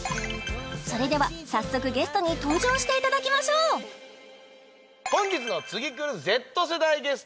それでは早速ゲストに登場していただきましょう本日の次くるＺ世代ゲスト